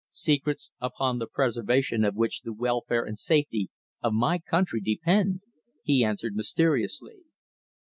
"Secrets upon the preservation of which the welfare and safety of my country depend," he answered mysteriously.